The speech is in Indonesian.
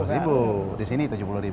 rp seratus di sini rp tujuh puluh